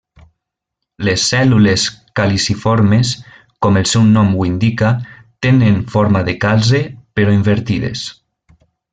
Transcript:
Les cèl·lules caliciformes, com el seu nom ho indica, tenen forma de calze però invertides.